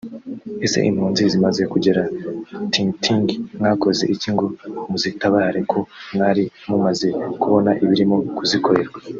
Ese impunzi zimaze kugera Tingitingi mwakoze iki ngo muzitabare ko mwari mumaze kubona ibirimo kuzikorerwa